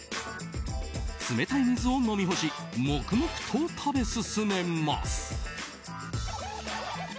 冷たい水を飲み干し黙々と食べ進めます。